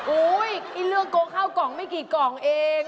อุ๊ยไอ้เลือกโกป่าเข้ากล่องไม่กี่กล่องเอง